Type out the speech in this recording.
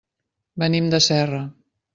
Venim de Serra.